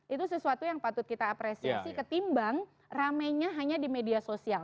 itu sesuatu yang patut kita apresiasi ketimbang ramenya hanya di media sosial